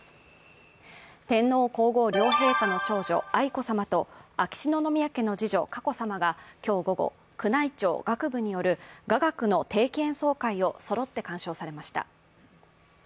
天皇皇后両陛下の長女・愛子さまと秋篠宮家の次女・佳子さまが今日午後、宮内庁楽部による雅楽の定期演奏会をそろって鑑賞されました。